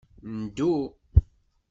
Ndu.